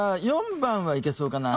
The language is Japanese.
４番はいけそうかな。